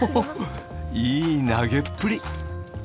いい投げっぷり！